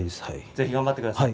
ぜひ頑張ってください。